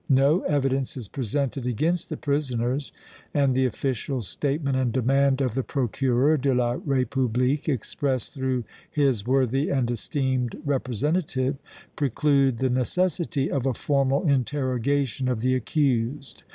No evidence is presented against the prisoners and the official statement and demand of the Procureur de la République, expressed through his worthy and esteemed representative, preclude the necessity of a formal interrogation of the accused.